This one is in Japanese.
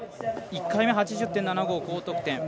１回目、８０．７５、高得点。